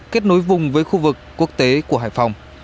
kết nối vùng với khu vực quốc tế của hải phòng